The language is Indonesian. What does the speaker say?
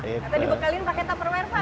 dibekalin pakai tupperware pak